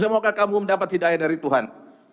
semoga kamu mendapat hidayah dari tuhan